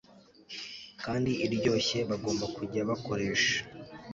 kandi iryoshye bagomba kujya bakoresha